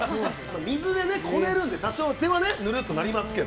水でこねるので多少はね、手がぬるっとなりますけど。